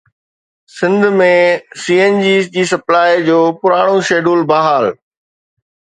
Sindh ۾ C N G supply جو پراڻو schedule بحال